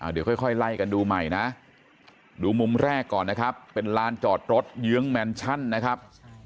เดี๋ยวค่อยไล่กันดูใหม่นะดูมุมแรกก่อนนะครับเป็นลานจอดรถเยื้องแมนชั่นนะครับ